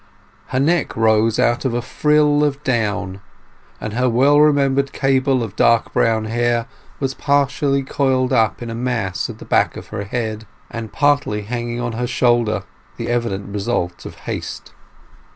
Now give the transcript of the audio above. Her neck rose out of a frill of down, and her well remembered cable of dark brown hair was partially coiled up in a mass at the back of her head and partly hanging on her shoulder—the evident result of haste.